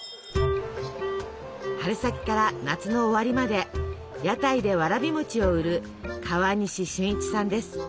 春先から夏の終わりまで屋台でわらび餅を売る川西俊一さんです。